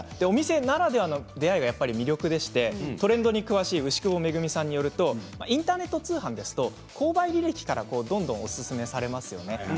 お店ならではの出会いが魅力でしてトレンドに詳しい牛窪恵さんによるとインターネット通販ですと購買履歴からどんどんおすすめされますよね。